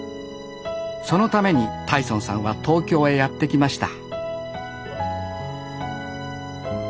そのために太尊さんは東京へやって来ました